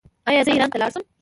ایا زه ایران ته لاړ شم؟